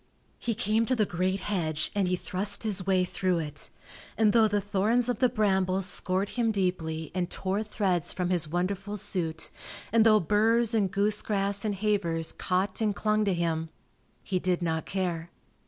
He came to the great hedge and he thrust his way through it, and though the thorns of the brambles scored him deeply and tore threads from his wonderful suit, and though burs and goosegrass and havers caught and clung to him, he did not care.